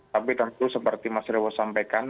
tapi tentu seperti mas rewo sampaikan